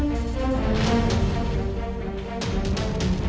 kayak nanya deh